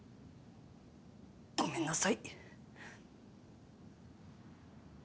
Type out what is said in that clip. ごめんなさい。